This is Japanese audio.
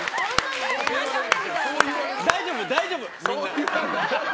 大丈夫、大丈夫みんな！